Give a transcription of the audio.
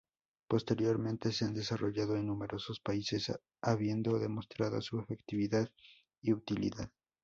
Posteriormente se han desarrollado en numerosos países, habiendo demostrado su efectividad y utilidad.